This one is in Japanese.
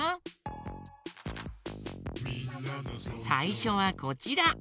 さいしょはこちら。